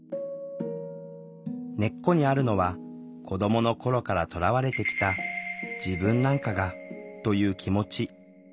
根っこにあるのは子どもの頃からとらわれてきた「自分なんかが」という気持ち。